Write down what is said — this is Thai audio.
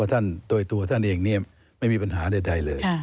ว่าท่านตัวตัวท่านเองนี่ไม่มีปัญหาใดเลย